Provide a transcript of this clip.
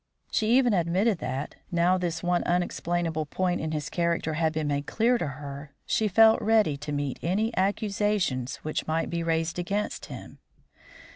She even admitted that, now this one unexplainable point in his character had been made clear to her, she felt ready to meet any accusations which might be raised against him.